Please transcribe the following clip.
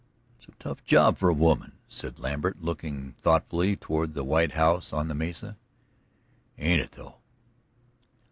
"It's a tough job for a woman," said Lambert, looking thoughtfully toward the white house on the mesa. "Ain't it, though?"